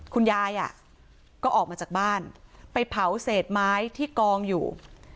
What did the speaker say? คุณยายอ่ะก็ออกมาจากบ้านไปเผาเศษไม้ที่กองอยู่